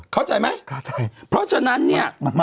เพราะว่าเราจะเปียกฝน